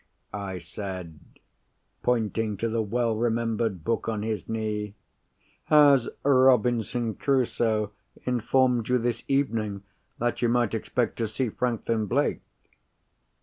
I said, pointing to the well remembered book on his knee, "has Robinson Crusoe informed you, this evening, that you might expect to see Franklin Blake?"